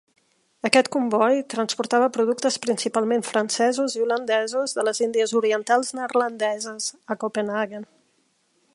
Aquest comboi transportava productes principalment francesos i holandesos de les Índies Orientals Neerlandeses a Copenhaguen.